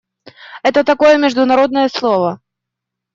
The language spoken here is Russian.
Это такое международное слово.